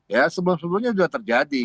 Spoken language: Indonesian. ya sebelum sebelumnya sudah terjadi